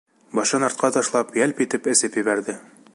Башын артҡа ташлап, йәлп итеп «эсеп» ебәрҙе.